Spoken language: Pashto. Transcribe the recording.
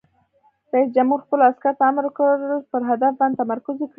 رئیس جمهور خپلو عسکرو ته امر وکړ؛ پر هدف باندې تمرکز وکړئ!